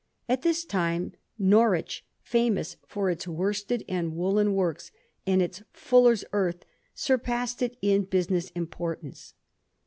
At this time Norwich, famous for its worsted and woollen works and its fuller's earth, surpassed it in business importance.